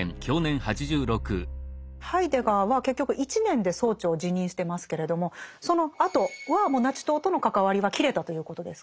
ハイデガーは結局１年で総長を辞任してますけれどもそのあとはもうナチ党との関わりは切れたということですか？